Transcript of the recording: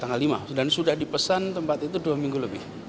tanggal lima dan sudah dipesan tempat itu dua minggu lebih